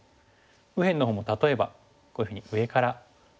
右辺のほうも例えばこういうふうに上から。